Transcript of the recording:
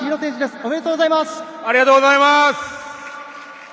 ありがとうございます！